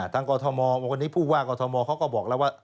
กอทมวันนี้ผู้ว่ากอทมเขาก็บอกแล้วว่า